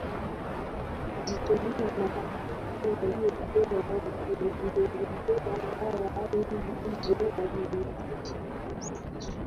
kuzitumia marafiki waliokuwa wakimletea dawa hizo walimtisha kwa kisu